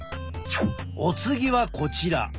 お次はこちら。